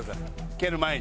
蹴る前に。